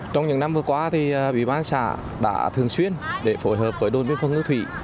trong những năm vừa qua bỉa ban xã đã thường xuyên để phối hợp với đồn biên phòng nước thủy